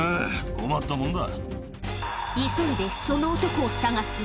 困ったもんだ。